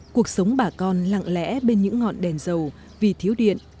cuộc sống bà con lặng lẽ bên những ngọn đèn dầu vì thiếu điện